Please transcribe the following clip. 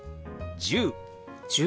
「１０」。